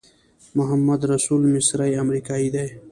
محمدرسول مصری امریکایی دی.